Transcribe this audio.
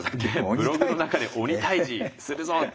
ブログの中で「鬼退治するぞ」って。